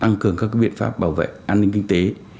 tăng cường các biện pháp bảo vệ an ninh kinh tế